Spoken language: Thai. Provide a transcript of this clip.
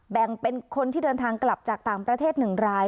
แบ่งเป็นคนที่เดินทางกลับจากต่างประเทศ๑ราย